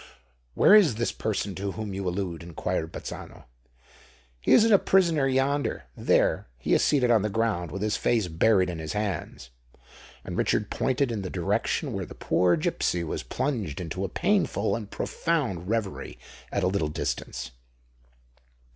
"Where is this person to whom you allude?" inquired Bazzano. "He is a prisoner yonder. There—he is seated on the ground, with his face buried in his hands!" And Richard pointed in the direction where the poor gipsy was plunged into a painful and profound reverie at a little distance.